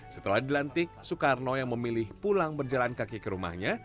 setelah dilantik soekarno yang memilih pulang berjalan kaki ke rumahnya